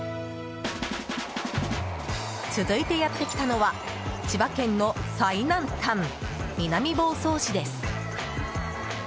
続いてやってきたのは千葉県の最南端、南房総市です。